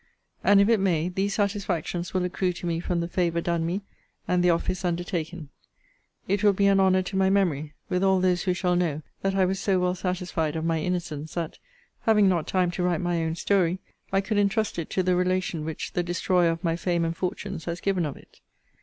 And if it may, these satisfactions will accrue to me from the favour done me, and the office undertaken: 'It will be an honour to my memory, with all those who shall know that I was so well satisfied of my innocence, that, having not time to write my own story, I could intrust it to the relation which the destroyer of my fame and fortunes has given of it.